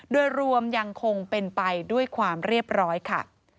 โดยรวมยังคงเป็นไปด้วยความเรียบร้อยค่ะ